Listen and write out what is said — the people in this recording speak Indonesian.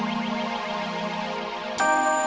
yang penting kecil